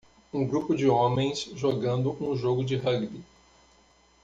Um grupo de homens jogando um jogo de rugby.